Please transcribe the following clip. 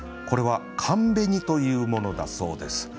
これは寒紅というものだそうです。